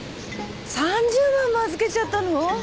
３０万も預けちゃったの？